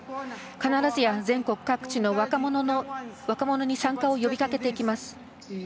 必ずや全国各地の若者に参加を呼びかけていきます。